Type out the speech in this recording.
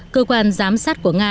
cơ quan giám sát của nga